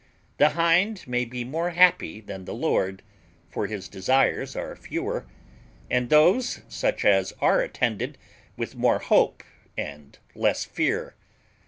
The hind may be more happy than the lord, for his desires are fewer, and those such as are attended with more hope and less fear.